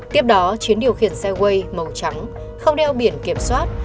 tiếp đó chiến điều khiển xe quay màu trắng không đeo biển kiểm soát